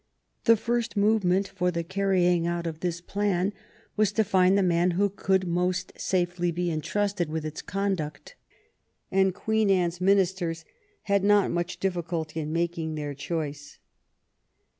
The first movement for the carrying out of this plan was to find the man who could most safely be intrusted with its conduct, and Queen Anne's ministers had not much difSculty in making their choice.